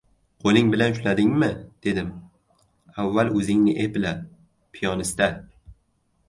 Qo‘ling bilan ushladingmi, dedim! Avval o‘zingni epla, piyonista!